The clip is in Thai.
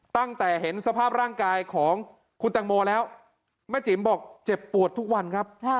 ตั้งแต่เห็นสภาพร่างกายของคุณตังโมแล้วแม่จิ๋มบอกเจ็บปวดทุกวันครับ